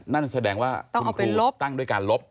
นั่นแสดงว่าคุณครูตั้งด้วยการลบ